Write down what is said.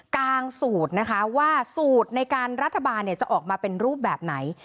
งสูตรนะคะว่าสูตรในการรัฐบาลจะออกมาเป็นรูปแบบไหน